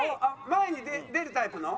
前に出るタイプの？